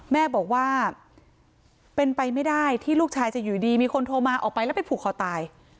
แม่บอกว่าเป็นไปไม่ได้ที่ลูกชายจะอยู่ดีมีคนโทรมาออกไปแล้วไปผูกคอตาย